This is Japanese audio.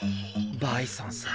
バイソンさん。